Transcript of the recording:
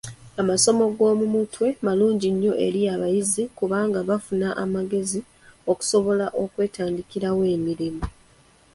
Amasomo g'omu mutwe malungi nnyo eri abayizi kubanga bafuna amagezi okusobola okwetandikirawo emirimu.